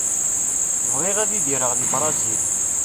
Bɣiɣ ad idireɣ di Brizil.